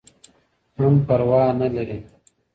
هم پروا نه لري .